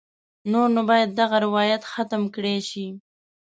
نور نو باید دغه روایت ختم کړای شي.